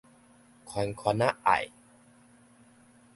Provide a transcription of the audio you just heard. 寬寬仔愛